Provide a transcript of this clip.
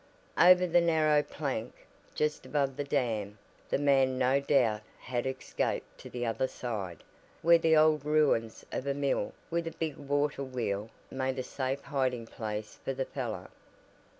Over the narrow plank, just above the dam, the man no doubt had escaped to the other side, where the old ruins of a mill, with a big water wheel, made a safe hiding place for the fellow.